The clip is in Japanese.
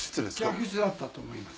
客室だったと思います。